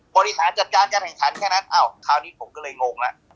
บริหารจัดการการแข่งขันแค่นั้นอ้าวคราวนี้ผมก็เลยงงแล้ว